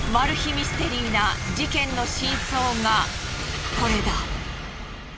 ミステリーな事件の真相がこれだ。